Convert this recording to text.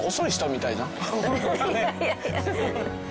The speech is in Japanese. いやいやいや。